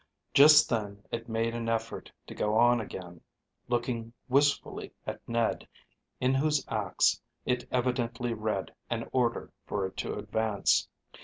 Just then it made an effort to go on again, looking wistfully at Ned, in whose acts it evidently read an order for it to advance.